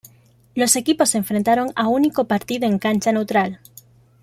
Los equipos se enfrentaron a único partido en cancha neutral.